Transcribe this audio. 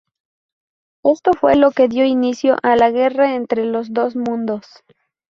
Esto fue lo que dio inicio a la guerra entre los dos mundos.